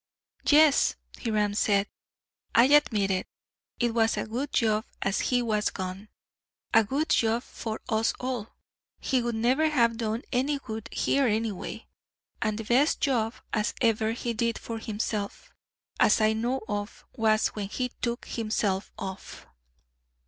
"Yes," Hiram said, "I admit it; it was a good job as he was gone a good job for us all. He would never have done any good here, anyway; and the best job as ever he did for himself, as I know of, was when he took himself off."